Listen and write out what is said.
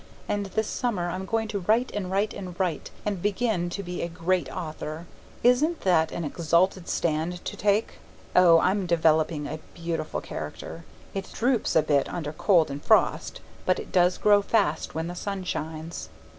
And this summer I'm going to write and write and write and begin to be a great author. Isn't that an exalted stand to take? Oh, I'm developing a beautiful character! It droops a bit under cold and frost, but it does grow fast when the sun shines.